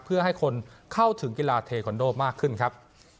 เพื่อให้คนเข้าถึงกีฬาเทคอนโดมากขึ้นครับ